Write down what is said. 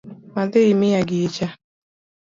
Wadhi imiya gicha